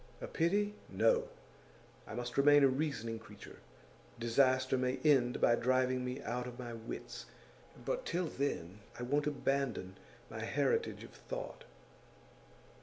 'A pity no! I must remain a reasoning creature. Disaster may end by driving me out of my wits, but till then I won't abandon my heritage of thought.